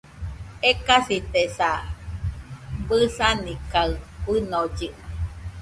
Ekasitesa, bɨsani kaɨ fɨnollɨ